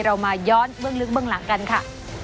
เรามาย้อนเบื้องลึกเบื้องหลังกันค่ะ